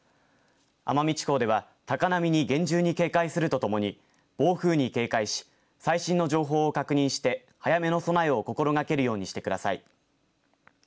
奄美地方では高波に厳重に警戒するとともに暴風に警戒し最新の情報を確認して早めの備えを心がけるようにしてください。